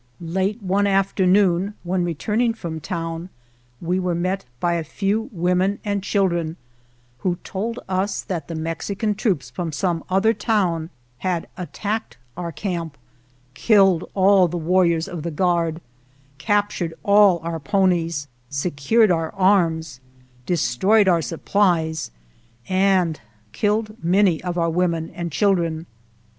Late one afternoon when returning from town we were met by a few women and chil dren who told us that Mexican troops from 43 GERONIMO some other town had attacked our camp, killed all the warriors of the guard, captured all our ponies, secured our arms, destroyed our supplies, and killed many of our women and children.